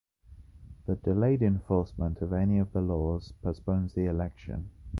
The delayed enforcement of any of the laws postpones the election.